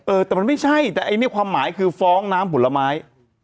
เออแต่มันไม่ใช่แต่อันนี้ความหมายคือฟ้องน้ำผลไม้